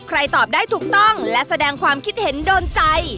ตอบได้ถูกต้องและแสดงความคิดเห็นโดนใจ